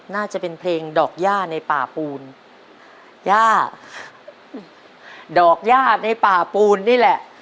น่าจะเป็นเพลงดอกย่าในป่าปูนย่าดอกย่าในป่าปูนนี่แหละ